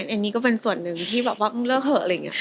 อันนี้ก็เป็นส่วนหนึ่งที่เริ่มเลิกเถอะ